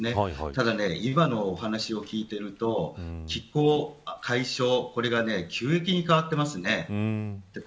ただ、今のお話を聞いていると気候、海象急激に変わってますよね。